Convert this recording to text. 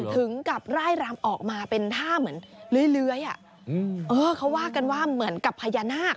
ถึงกับร่ายรำออกมาเป็นท่าเหมือนเลื้อยเขาว่ากันว่าเหมือนกับพญานาค